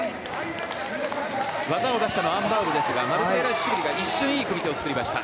技を出したのはアン・バウルですがマルクベラシュビリが一瞬、いい組み手を作りました。